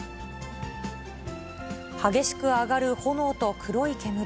激しく上がる炎と黒い煙。